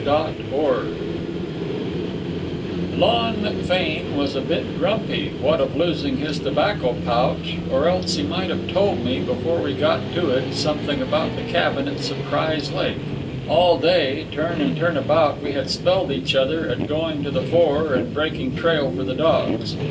FLUSH OF GOLD Lon McFane was a bit grumpy, what of losing his tobacco pouch, or else he might have told me, before we got to it, something about the cabin at Surprise Lake. All day, turn and turn about, we had spelled each other at going to the fore and breaking trail for the dogs.